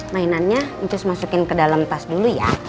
mainannya terus masukin ke dalam tas dulu ya